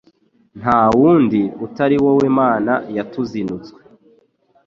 Nta wundi utari wowe Mana yatuzinutswe